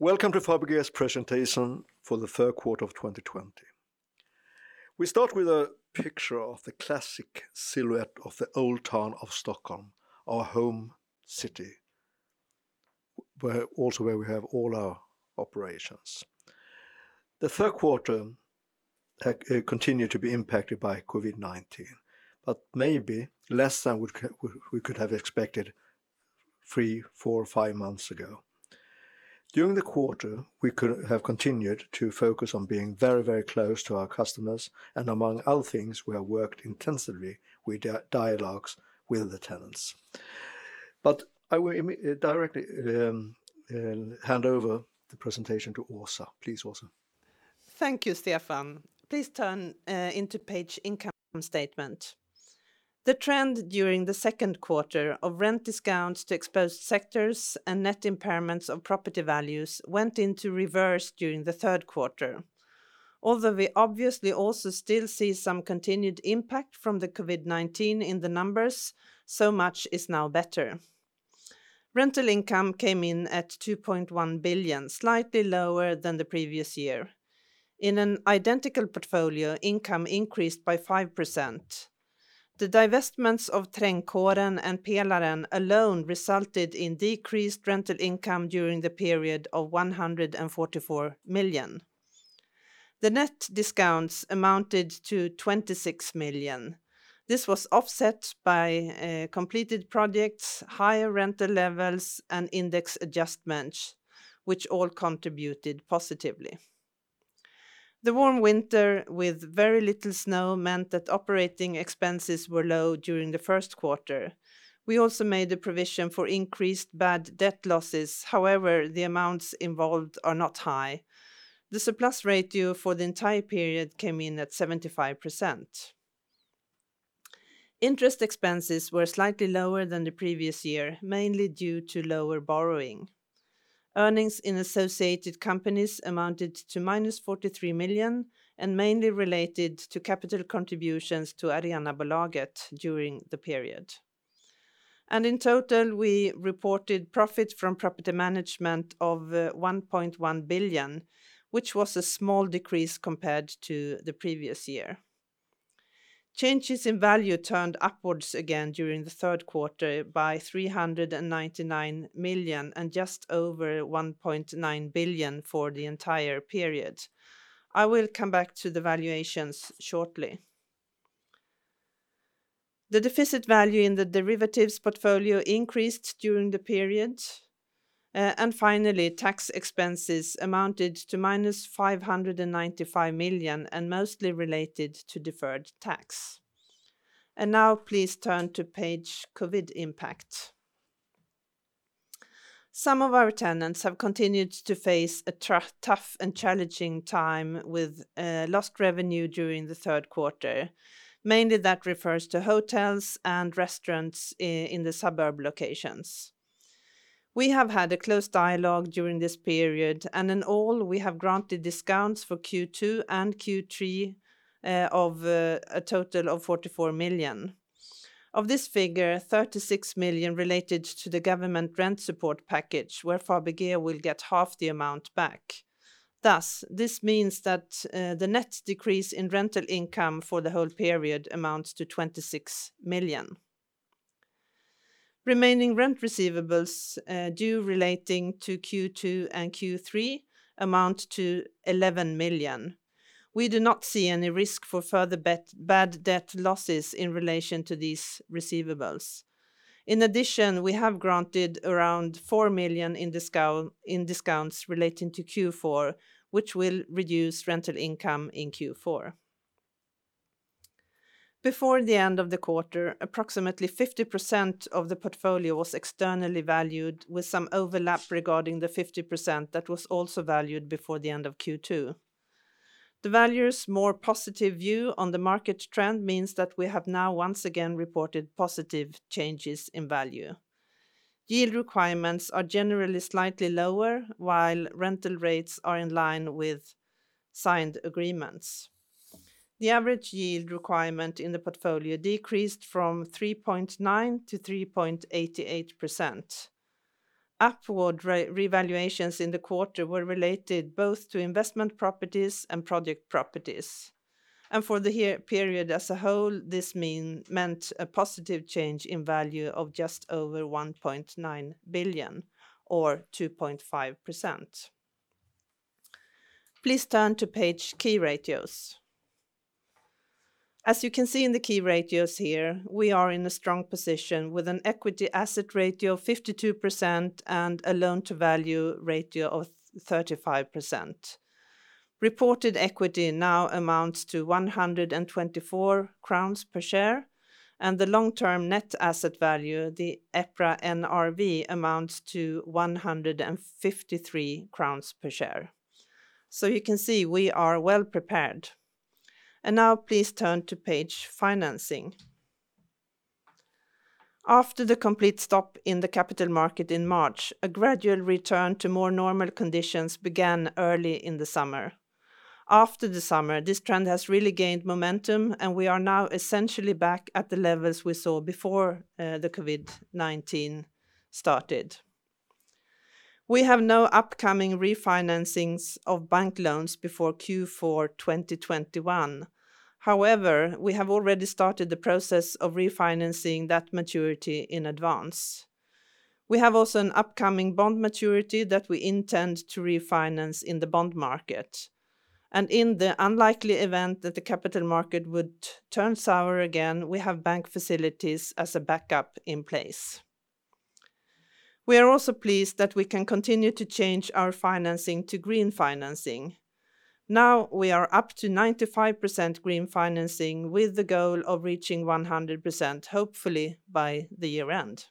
Welcome to Fabege's presentation for the third quarter of 2020. We start with a picture of the classic silhouette of the old town of Stockholm, our home city, also where we have all our operations. The third quarter continued to be impacted by COVID-19, maybe less than we could have expected three, four, five months ago. During the quarter, we have continued to focus on being very close to our customers, among other things, we have worked intensively with dialogues with the tenants. I will directly hand over the presentation to Åsa. Please, Åsa. Thank you, Stefan. Please turn into page income statement. The trend during the second quarter of rent discounts to exposed sectors and net impairments of property values went into reverse during the third quarter. Although we obviously also still see some continued impact from the COVID-19 in the numbers, so much is now better. Rental income came in at 2.1 billion, slightly lower than the previous year. In an identical portfolio, income increased by 5%. The divestments of Trängkåren and Pelaren alone resulted in decreased rental income during the period of 144 million. The net discounts amounted to 26 million. This was offset by completed projects, higher rental levels, and index adjustments, which all contributed positively. The warm winter with very little snow meant that operating expenses were low during the first quarter. We also made a provision for increased bad debt losses. However, the amounts involved are not high. The surplus ratio for the entire period came in at 75%. Interest expenses were slightly lower than the previous year, mainly due to lower borrowing. Earnings in associated companies amounted to minus 43 million and mainly related to capital contributions to Arenabolaget during the period. In total, we reported profit from property management of 1.1 billion, which was a small decrease compared to the previous year. Changes in value turned upwards again during the third quarter by 399 million and just over 1.9 billion for the entire period. I will come back to the valuations shortly. The deficit value in the derivatives portfolio increased during the period. Finally, tax expenses amounted to -595 million and mostly related to deferred tax. Now please turn to page COVID impact. Some of our tenants have continued to face a tough and challenging time with lost revenue during the third quarter. Mainly that refers to hotels and restaurants in the suburb locations. We have had a close dialog during this period, and in all, we have granted discounts for Q2 and Q3 of a total of 44 million. Of this figure, 36 million related to the government rent support package where Fabege will get half the amount back. Thus, this means that the net decrease in rental income for the whole period amounts to 26 million. Remaining rent receivables due relating to Q2 and Q3 amount to 11 million. We do not see any risk for further bad debt losses in relation to these receivables. In addition, we have granted around four million in discounts relating to Q4, which will reduce rental income in Q4. Before the end of the quarter, approximately 50% of the portfolio was externally valued, with some overlap regarding the 50% that was also valued before the end of Q2. The valuers' more positive view on the market trend means that we have now once again reported positive changes in value. Yield requirements are generally slightly lower, while rental rates are in line with signed agreements. The average yield requirement in the portfolio decreased from three point nine to three point eight eight percent. Upward revaluations in the quarter were related both to investment properties and project properties. For the year period as a whole, this meant a positive change in value of just over 1.9 billion or two point five percent. Please turn to page key ratios. As you can see in the key ratios here, we are in a strong position with an equity asset ratio of 52% and a loan-to-value ratio of 35%. Reported equity now amounts to 124 crowns per share, and the long-term net asset value, the EPRA NRV, amounts to 153 crowns per share. You can see we are well prepared. Now please turn to page financing. After the complete stop in the capital market in March, a gradual return to more normal conditions began early in the summer. After the summer, this trend has really gained momentum, and we are now essentially back at the levels we saw before the COVID-19 started. We have no upcoming refinancings of bank loans before Q4 2021. However, we have already started the process of refinancing that maturity in advance. We have also an upcoming bond maturity that we intend to refinance in the bond market. In the unlikely event that the capital market would turn sour again, we have bank facilities as a backup in place. We are also pleased that we can continue to change our financing to green financing. Now we are up to 95% green financing with the goal of reaching 100%, hopefully by the year-end.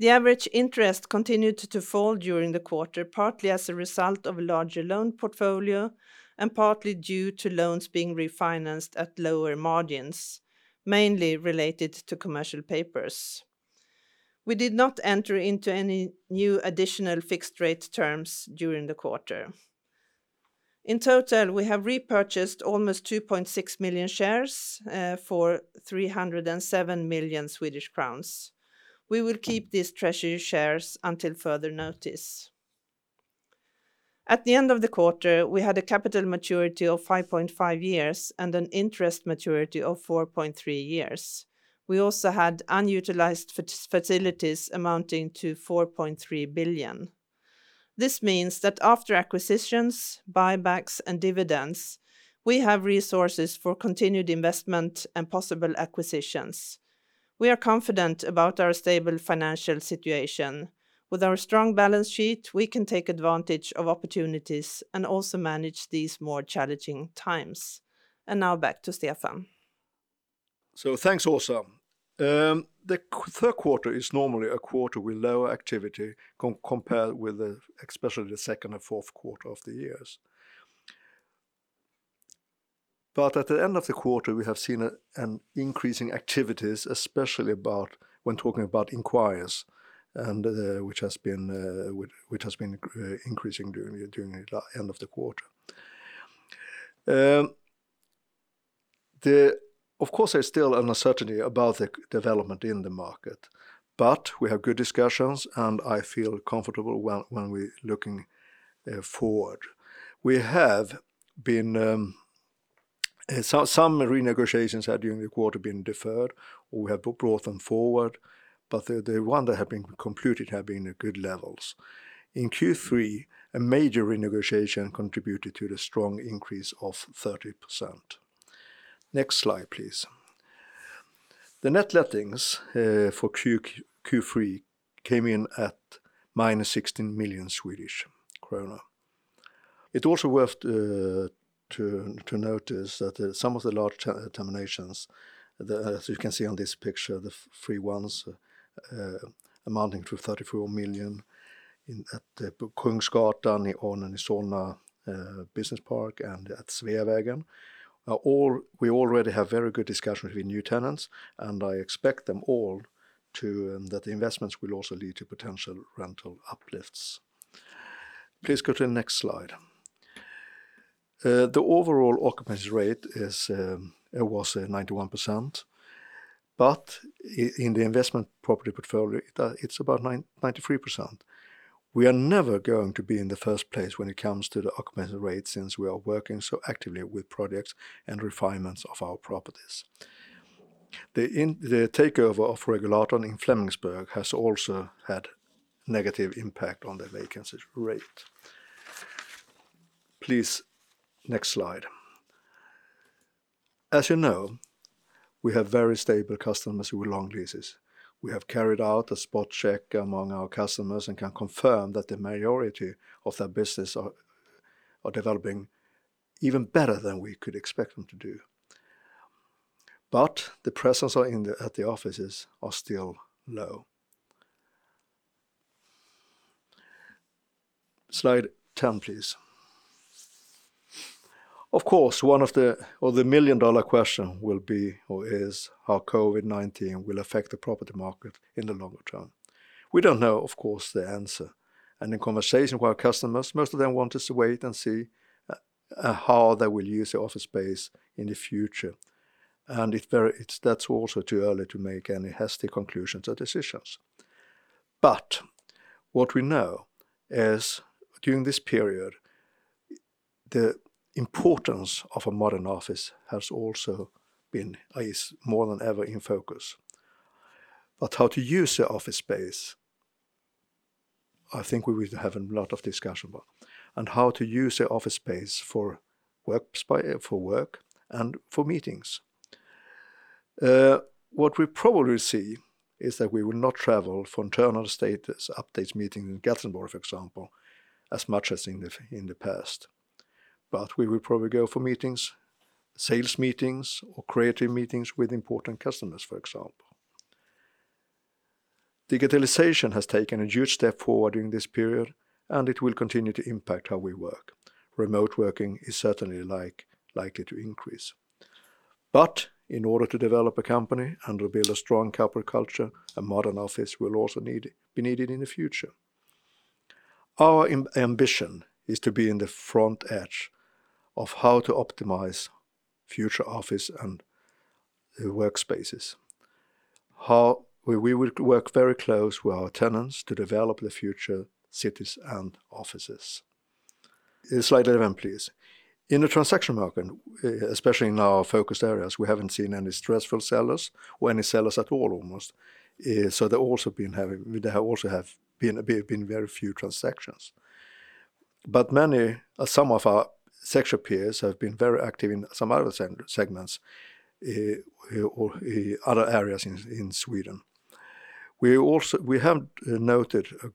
The average interest continued to fall during the quarter, partly as a result of a larger loan portfolio, and partly due to loans being refinanced at lower margins, mainly related to commercial papers. We did not enter into any new additional fixed-rate terms during the quarter. In total, we have repurchased almost 2.6 million shares for 307 million Swedish crowns. We will keep these treasury shares until further notice. At the end of the quarter, we had a capital maturity of five point five years and an interest maturity of four point three years. We also had unutilized facilities amounting to 4.3 billion. This means that after acquisitions, buybacks, and dividends, we have resources for continued investment and possible acquisitions. We are confident about our stable financial situation. With our strong balance sheet, we can take advantage of opportunities and also manage these more challenging times. Now back to Stefan. Thanks, Åsa. The third quarter is normally a quarter with lower activity compared with especially the second and fourth quarter of the years. At the end of the quarter, we have seen an increase in activities, especially when talking about inquiries, which has been increasing during the end of the quarter. Of course, there's still an uncertainty about the development in the market, but we have good discussions, and I feel comfortable when we're looking forward. Some renegotiations during the quarter have been deferred, or we have brought them forward, but the ones that have been completed have been at good levels. In Q3, a major renegotiation contributed to the strong increase of 30%. Next slide, please. The net lettings for Q3 came in at minus 16 million Swedish krona. It's also worth to notice that some of the large terminations, as you can see on this picture, the three ones amounting to 34 million at the Kungsgatan on Solna Business Park and at Sveavägen. We already have very good discussions with new tenants, and I expect that the investments will also lead to potential rental uplifts. Please go to the next slide. The overall occupancy rate was at 91%, but in the investment property portfolio, it's about 93%. We are never going to be in the first place when it comes to the occupancy rate since we are working so actively with projects and refinements of our properties. The takeover of Regulatorn in Flemingsberg has also had a negative impact on the vacancy rate. Please, next slide. As you know, we have very stable customers with long leases. We have carried out a spot check among our customers and can confirm that the majority of their business are developing even better than we could expect them to do. The presence at the offices are still low. Slide 10, please. Of course, one of the million-dollar question will be or is how COVID-19 will affect the property market in the longer term. We don't know, of course, the answer. In conversation with our customers, most of them want us to wait and see how they will use the office space in the future. That's also too early to make any hasty conclusions or decisions. What we know is during this period, the importance of a modern office is more than ever in focus. How to use the office space, I think we will have a lot of discussion about, and how to use the office space for work and for meetings. What we probably see is that we will not travel for internal status updates meetings in Gothenburg, for example, as much as in the past. We will probably go for meetings, sales meetings, or creative meetings with important customers, for example. Digitalization has taken a huge step forward during this period, and it will continue to impact how we work. Remote working is certainly likely to increase. In order to develop a company and to build a strong corporate culture, a modern office will also be needed in the future. Our ambition is to be in the front edge of how to optimize future office and workspaces. We will work very close with our tenants to develop the future cities and offices. Slide 11, please. In the transaction market, especially in our focused areas, we haven't seen any stressful sellers or any sellers at all almost. There also have been very few transactions. Some of our sector peers have been very active in some other segments or other areas in Sweden. We have noted a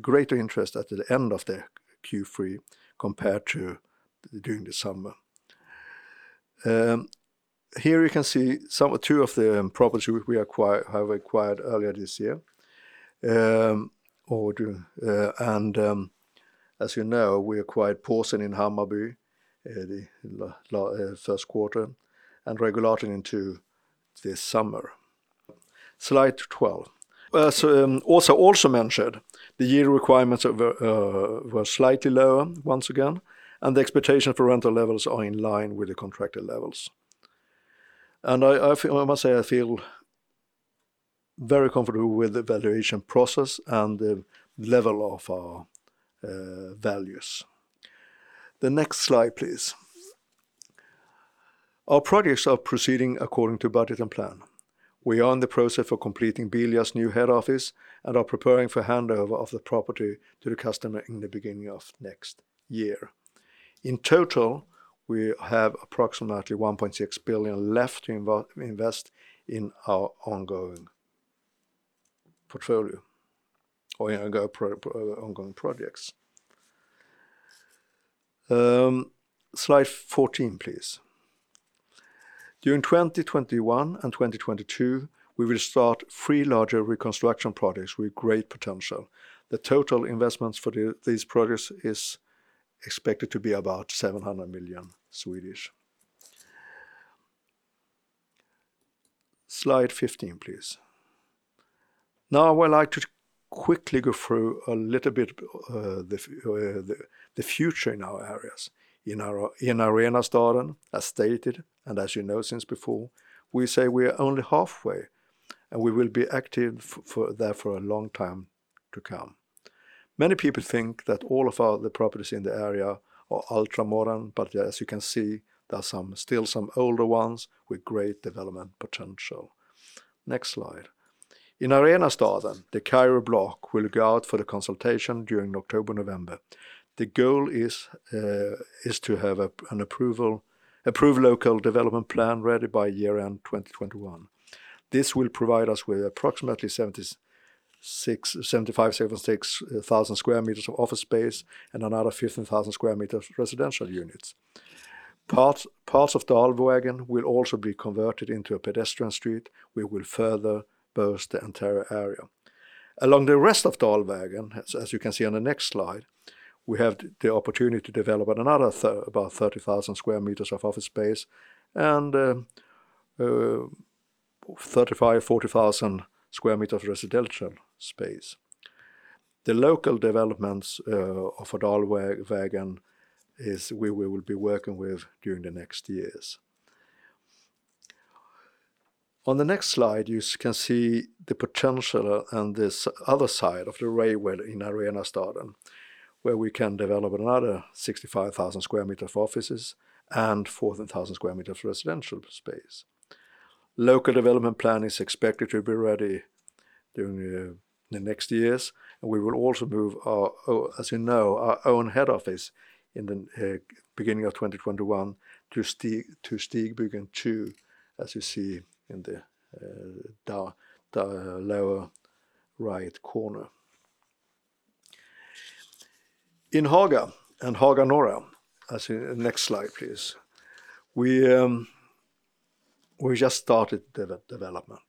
greater interest at the end of the Q3 compared to during the summer. Here you can see two of the properties we have acquired earlier this year. As you know, we acquired Påsen in Hammarby in the first quarter and Regulatorn into this summer. Slide 12. As also mentioned, the yield requirements were slightly lower once again, and the expectation for rental levels are in line with the contracted levels. I must say I feel very comfortable with the valuation process and the level of our values. The next slide, please. Our projects are proceeding according to budget and plan. We are in the process of completing Bilia's new head office and are preparing for handover of the property to the customer in the beginning of next year. In total, we have approximately 1.6 billion left to invest in our ongoing portfolio or in our ongoing projects. Slide 14, please. During 2021 and 2022, we will start three larger reconstruction projects with great potential. The total investments for these projects is expected to be about 700 million. Slide 15, please. Now I would like to quickly go through a little bit the future in our areas. In Arenastaden, as stated and as you know since before, we say we are only halfway. We will be active there for a long time to come. Many people think that all of the properties in the area are ultra-modern. As you can see, there are still some older ones with great development potential. Next slide. In Arenastaden, the Cairo block will go out for the consultation during October, November. The goal is to have an approved detailed development plan ready by year-end 2021. This will provide us with approximately 75,000-76,000 sq m of office space. Another 15,000 sq m residential units. Parts of Dalvägen will also be converted into a pedestrian street, which will further boost the entire area. Along the rest of Dalvägen, as you can see on the next slide, we have the opportunity to develop another about 30,000 sq m of office space and 35,000, 40,000 sq m of residential space. The local developments of Dalvägen is where we will be working with during the next years. On the next slide, you can see the potential on this other side of the railway in Arenastaden, where we can develop another 65,000 sq m of offices and 14,000 sq m of residential space. Local development plan is expected to be ready during the next years, and we will also move, as you know, our own head office in the beginning of 2021 to Stigbygeln two, as you see in the lower right corner. In Haga and Haga Norra, next slide please, we just started development.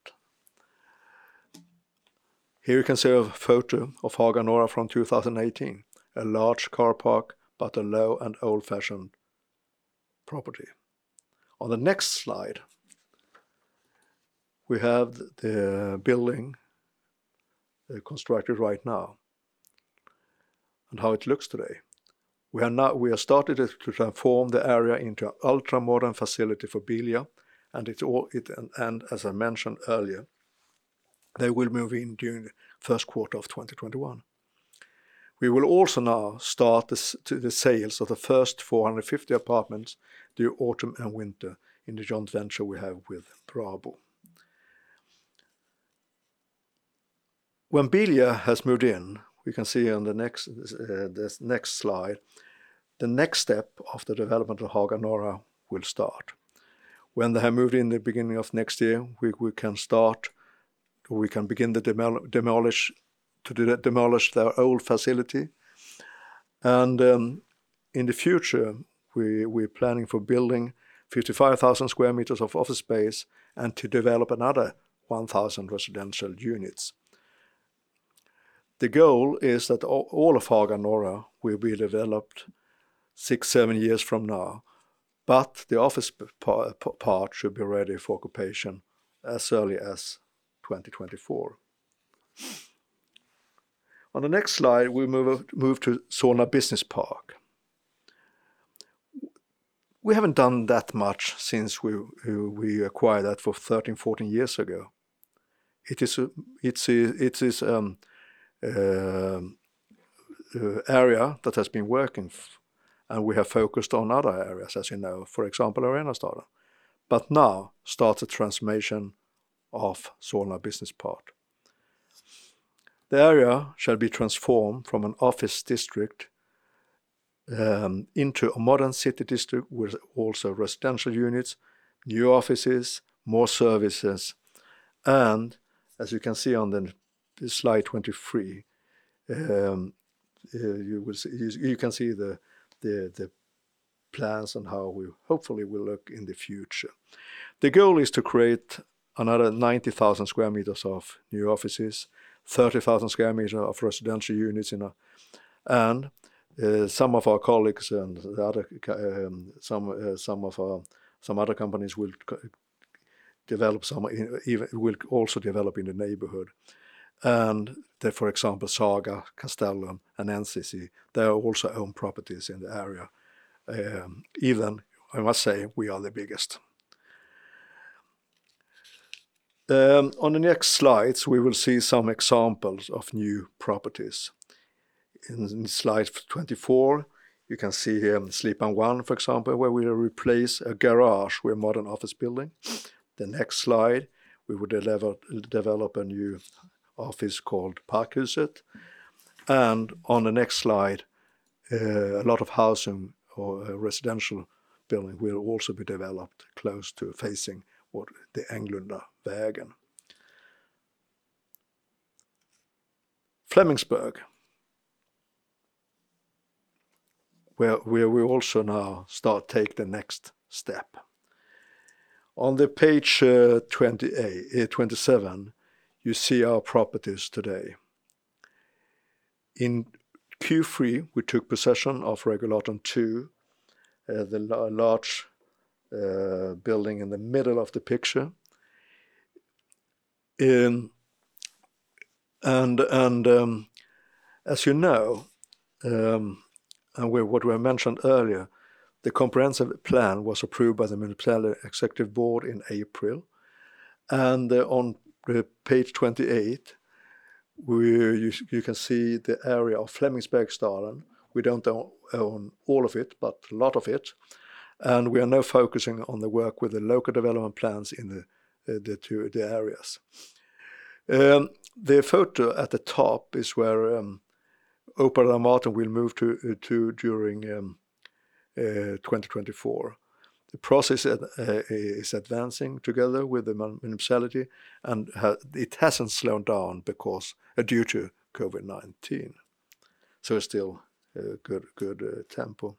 Here you can see a photo of Haga Norra from 2018, a large car park but a low and old-fashioned property. On the next slide, we have the building constructed right now and how it looks today. We are started to transform the area into an ultra-modern facility for Bilia, and as I mentioned earlier, they will move in during the first quarter of 2021. We will also now start the sales of the first 450 apartments through autumn and winter in the joint venture we have with Brabo. When Bilia has moved in, we can see on the next slide, the next step of the development of Haga Norra will start. When they have moved in the beginning of next year, we can begin to demolish their old facility. In the future, we are planning for building 55,000 sq m of office space and to develop another 1,000 residential units. The goal is that all of Haga Norra will be developed six, seven years from now. The office part should be ready for occupation as early as 2024. On the next slide, we move to Solna Business Park. We haven't done that much since we acquired that for 13, 14 years ago. It is area that has been working, and we have focused on other areas, as you know, for example, Arenstaden. Now start the transformation of Solna Business Park. The area shall be transformed from an office district into a modern city district with also residential units, new offices, more services. As you can see on the slide 23, you can see the plans on how we, hopefully, will look in the future. The goal is to create another 90,000 square meters of new offices, 30,000 square meters of residential units. Some of our colleagues and some other companies will also develop in the neighborhood. They, for example, Sagax, Castellum, and NCC, they are also own properties in the area. Even, I must say, we are the biggest. On the next slides, we will see some examples of new properties. In slide 24, you can see here Slipan one, for example, where we replace a garage with a modern office building. The next slide, we would develop a new office called Parkhuset. On the next slide, a lot of housing or residential building will also be developed close to facing what the Englundavägen. Flemingsberg, where we also now start take the next step. On page 27, you see our properties today. In Q3, we took possession of Regulatorn two, the large building in the middle of the picture. As you know, and what we mentioned earlier, the comprehensive plan was approved by the Municipal Executive Board in April. On page 28, you can see the area of Flemingsbergsdalen. We don't own all of it, but a lot of it. We are now focusing on the work with the local development plans in the two areas. The photo at the top is where Opera Mårten will move to during 2024. The process is advancing together with the municipality, and it hasn't slowed down due to COVID-19. It's still a good tempo.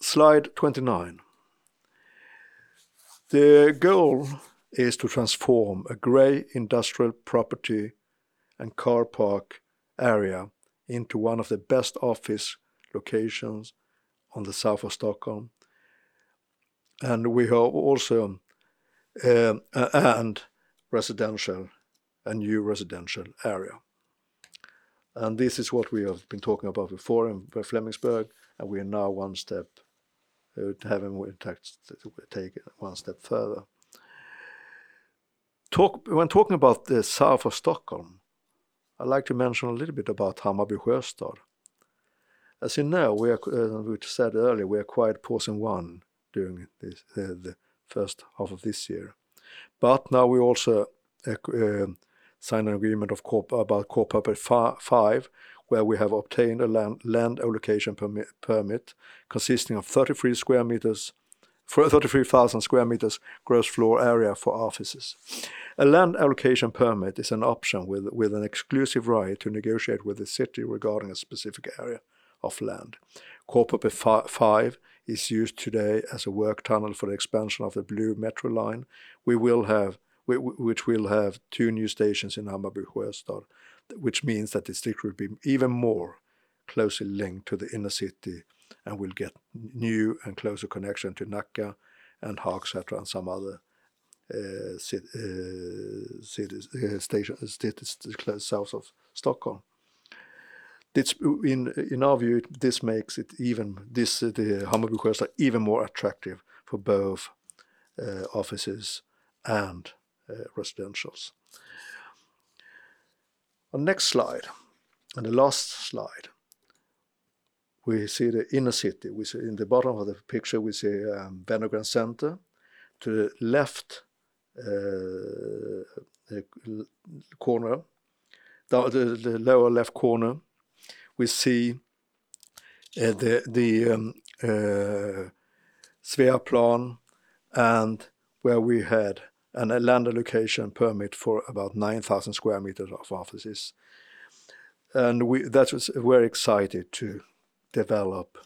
Slide 29. The goal is to transform a gray industrial property and car park area into one of the best office locations on the south of Stockholm and a new residential area. This is what we have been talking about before in Flemingsberg, and we are now having to take it one step further. When talking about the south of Stockholm, I'd like to mention a little bit about Hammarby Sjöstad. As you know, we said earlier, we acquired Påsen one during the first half of this year. Now we also sign an agreement about Korphoppet five, where we have obtained a land allocation permit consisting of 33,000 sq m gross floor area for offices. A land allocation permit is an option with an exclusive right to negotiate with the city regarding a specific area of land. Korphoppet five is used today as a work tunnel for the expansion of the blue Metro line, which will have two new stations in Hammarby Sjöstad. That district will be even more closely linked to the inner city and will get new and closer connection to Nacka and Hagsätra and some other cities south of Stockholm. In our view, this makes Hammarby Sjöstad even more attractive for both offices and residentials. On next slide, and the last slide, we see the inner city. In the bottom of the picture, we see Wenner-Gren Center. To the left corner, the lower left corner, we see the Sveaplan and where we had a land allocation permit for about 9,000 square meters of offices. That was very excited to develop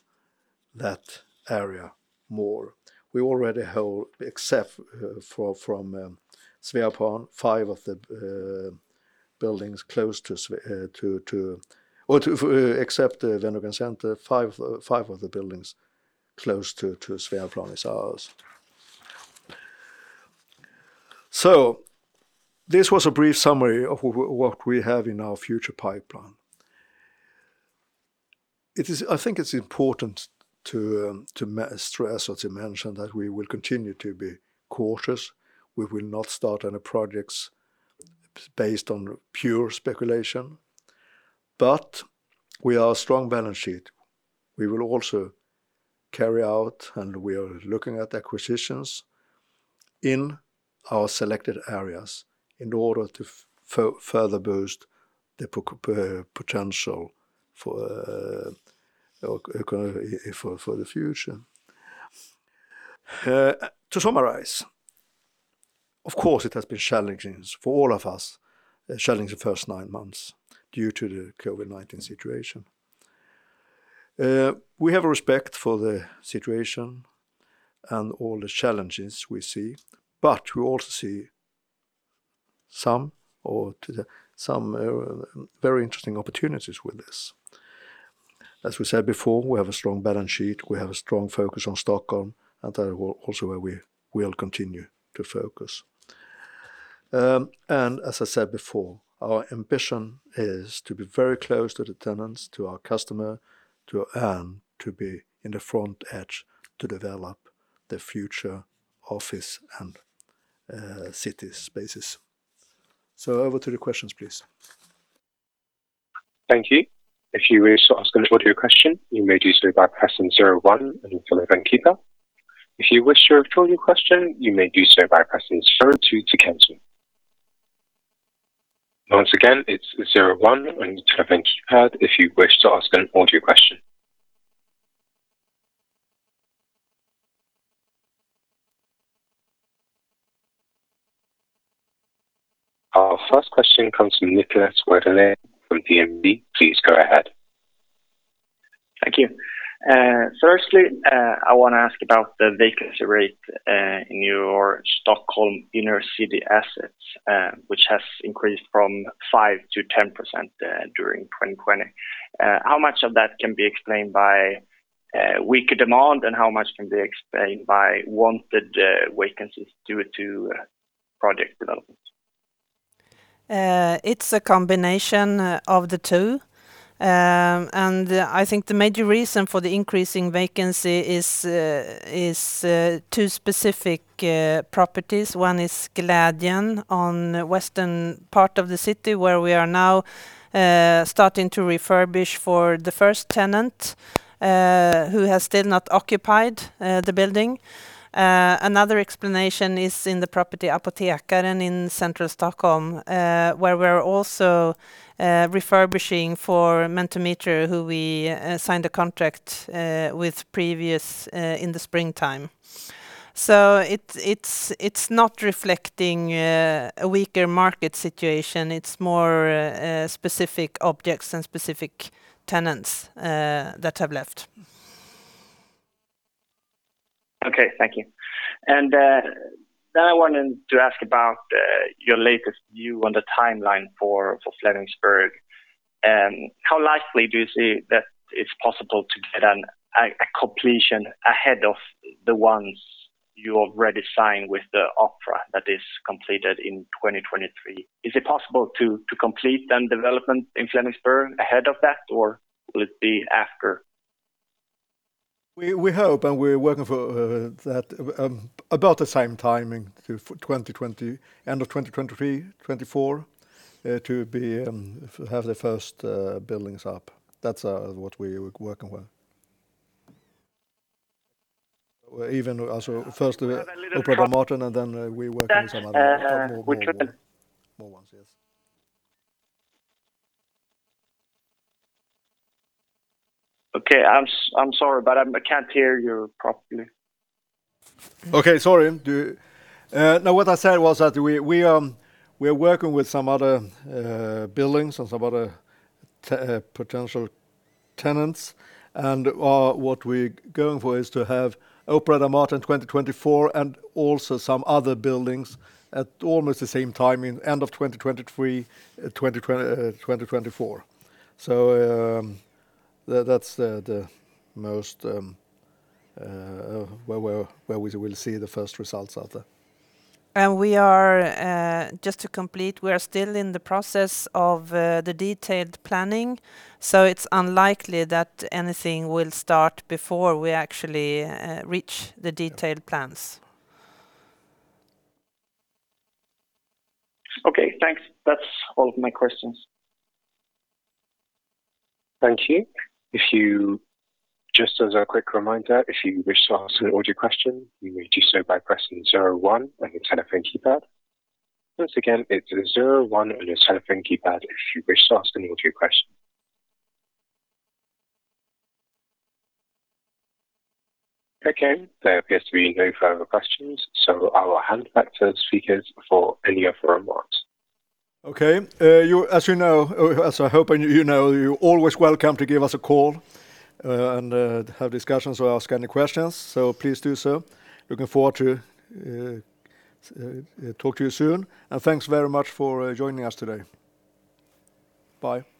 that area more. We already hold, except from Sveaplan, except the Wenner-Gren Center, five of the buildings close to Sveaplan is ours. This was a brief summary of what we have in our future pipeline. I think it's important to stress or to mention that we will continue to be cautious. We will not start any projects based on pure speculation, but we are a strong balance sheet. We will also carry out, and we are looking at acquisitions in our selected areas in order to further boost the potential for the future. To summarize, of course, it has been challenging for all of us, challenging first nine months due to the COVID-19 situation. We have respect for the situation and all the challenges we see, but we also see some very interesting opportunities with this. As we said before, we have a strong balance sheet, we have a strong focus on Stockholm, and that is also where we will continue to focus. As I said before, our ambition is to be very close to the tenants, to our customer, and to be in the front edge to develop the future office and city spaces. Over to the questions, please. Our first question comes from Niklas Wetterling from DNB. Please go ahead. Thank you. Firstly, I want to ask about the vacancy rate in your Stockholm inner-city assets, which has increased from five to 10% during 2020. How much of that can be explained by weaker demand, and how much can be explained by wanted vacancies due to project development? It's a combination of the two. I think the major reason for the increase in vacancy is two specific properties. One is Glädjen on western part of the city, where we are now starting to refurbish for the first tenant, who has still not occupied the building. Another explanation is in the property Apotekaren in central Stockholm, where we're also refurbishing for Mentimeter, who we signed a contract with previous in the springtime. It's not reflecting a weaker market situation. It's more specific objects and specific tenants that have left. Okay, thank you. I wanted to ask about your latest view on the timeline for Flemingsberg. How likely do you see that it's possible to get a completion ahead of the ones you already signed with the Opera that is completed in 2023? Is it possible to complete the development in Flemingsberg ahead of that, or will it be after? We hope, and we're working for that about the same timing, end of 2023, 2024, to have the first buildings up. That's what we're working with. Even also first Opera Mårten, and then we work with some other more ones. Yes. Okay. I'm sorry, but I can't hear you properly. Okay, sorry. No, what I said was that we are working with some other buildings and some other potential tenants, and what we're going for is to have Opera Mårten 2024, and also some other buildings at almost the same time, end of 2023, 2024. That's the most where we will see the first results out there. Just to complete, we are still in the process of the detailed planning, so it's unlikely that anything will start before we actually reach the detailed plans. Okay, thanks. That's all of my questions. Thank you. Just as a quick reminder, if you wish to ask an audio question, you may do so by pressing zero one on your telephone keypad. Once again, it's zero one on your telephone keypad if you wish to ask an audio question. Okay, there appears to be no further questions. I will hand it back to the speakers for any other remarks. Okay. As I hope you know, you're always welcome to give us a call and have discussions or ask any questions. Please do so. Looking forward to talk to you soon. Thanks very much for joining us today. Bye.